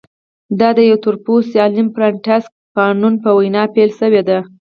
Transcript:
دا د یوه تور پوستي عالم فرانټس فانون په وینا پیل شوې وه.